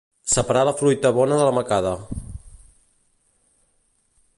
Separar la fruita bona de la macada.